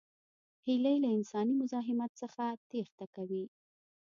هیلۍ له انساني مزاحمت څخه تېښته کوي